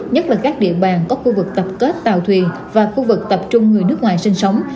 nhất là các địa bàn có khu vực tập kết tàu thuyền và khu vực tập trung người nước ngoài sinh sống